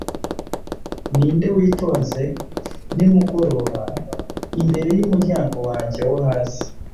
ninde witonze, nimugoroba, imbere yumuryango wanjye wo hasi